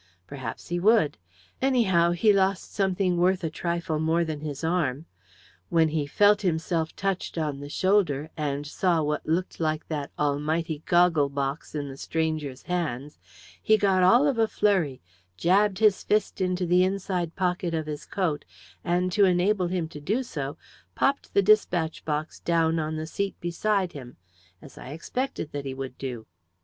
Perhaps he would; anyhow, he lost something worth a trifle more than his arm. When he felt himself touched on the shoulder, and saw what looked like that almighty goggle box in the stranger's hand, he got all of a flurry, jabbed his fist into the inside pocket of his coat, and to enable him to do so popped the despatch box down on the seat beside him as I expected that he would do.